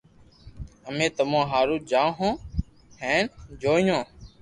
امي تمو ھارون جآوو ھون ھين جيويو